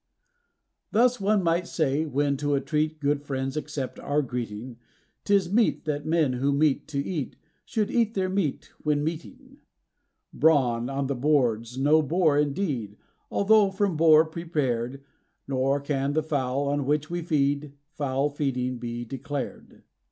Thus, one might say, when to a treat good friends accept our greeting, 'Tis meet that men who meet to eat should eat their meat when meeting. Brawn on the board's no bore indeed although from boar prepared; Nor can the fowl, on which we feed, foul feeding he declared.